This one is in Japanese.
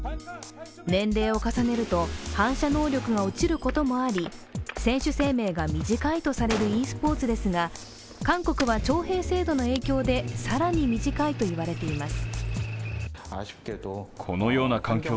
年齢を重ねると反射能力が落ちることもあり選手生命が短いとされるｅスポーツですが、韓国は徴兵制度の影響で更に短いと言われています。